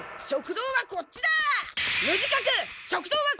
食堂はこっちだ！